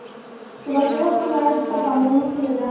د بشري حقونو رعایت ته پاملرنه شوې ده.